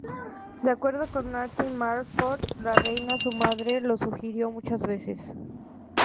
De acuerdo con Nancy Mitford, la reina, su madre, lo sugirió muchas veces.